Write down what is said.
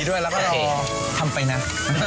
ก็เอามืออีกอย่างนี่ด้วย